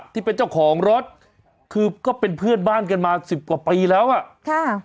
ที่เป็นเจ้าของรถคือก็เป็นเพื่อนบ้านกันมาสิบกว่าปีแล้วอ่ะค่ะ